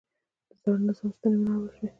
د زاړه نظام ستنې ونړول شوې.